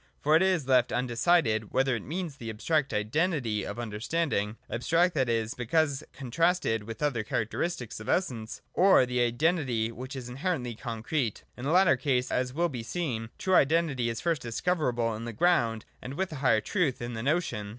For it is left undecided, whether it means the abstract Identity of understanding, — abstract, that is, because contrasted with the other characteristics of Essence, or the Identity which is inherently concrete. In the latter case, as will be seen, true Identity is first discoverable in the Ground, and, with a higher truth, in the Notion.